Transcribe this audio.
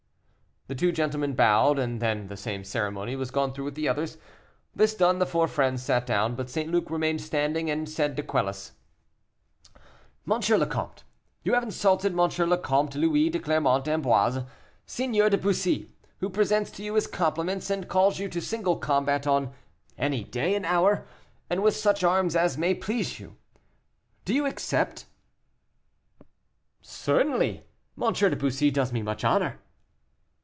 The two gentlemen bowed, and then the same ceremony was gone through with the others. This done, the four friends sat down, but St. Luc remained standing and said to Quelus, "M. le Comte, you have insulted M. le Comte Louis de Clermont d'Amboise, Seigneur de Bussy, who presents to you his compliments, and calls you to single combat on any day and hour, and with such arms as may please you. Do you accept?" "Certainly; M. de Bussy does me much honor."